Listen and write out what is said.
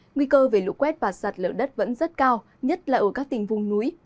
nguy cơ về lũ quét và sạt lở đất vẫn rất cao nhất là ở các tỉnh vùng núi